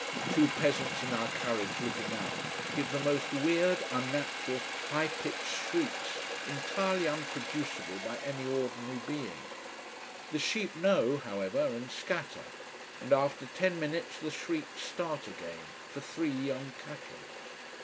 Two peasants in our carriage looking out, give the most weird, unnatural, high pitched shrieks, entirely unproduceable by any ordinary being. The sheep know, however, and scatter. And after ten minutes the shrieks start again, for three young cattle.